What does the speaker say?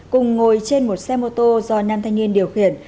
cùng ngồi trên một xe mô tô do nam thanh niên điều khiển